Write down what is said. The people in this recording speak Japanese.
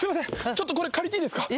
ちょっとこれ借りていいですか？